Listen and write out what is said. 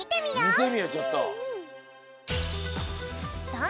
みてみようちょっと。